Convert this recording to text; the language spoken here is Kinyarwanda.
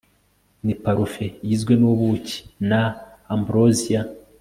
ni parufe igizwe n'ubuki na ambrosia